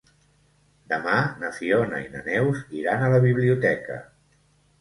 Demà na Fiona i na Neus iran a la biblioteca.